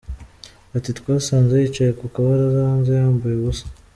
Ati : "Twasanze yicaye ku kabaraza hanze yambaye ubusa.